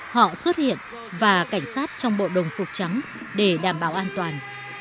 họ xuất hiện và cảnh sát trong bộ đồng phục trắng để đảm bảo an toàn